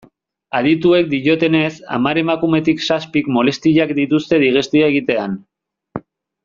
Adituek diotenez, hamar emakumetik zazpik molestiak dituzte digestioa egitean.